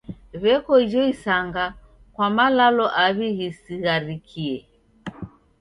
W'eko ijo isanga kwa malalo aw'i ghisigharikie.